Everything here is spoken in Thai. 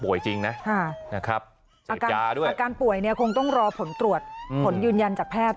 ป่วยจริงนะครับเสพยาด้วยอาการป่วยเนี่ยคงต้องรอผลตรวจผลยืนยันจากแพทย์